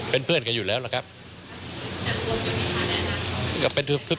เป็นเพื่อนกันอยู่แล้วล่ะครับ